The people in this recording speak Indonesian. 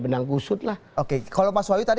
benang kusut lah oke kalau mas wawi tadi